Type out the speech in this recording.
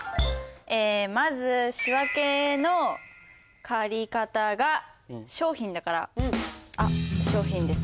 まず仕訳の借方が商品だからあっ商品ですね。